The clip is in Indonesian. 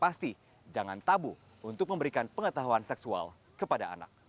pasti jangan tabu untuk memberikan pengetahuan seksual kepada anak